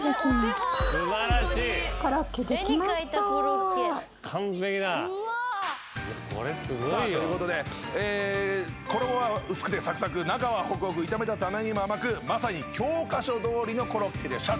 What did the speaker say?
さあということで衣は薄くてサクサク中はホクホク炒めたタマネギも甘くまさに教科書どおりのコロッケでした。